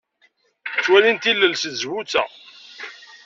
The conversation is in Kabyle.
Ttwalint ilel seg tzewwut-a.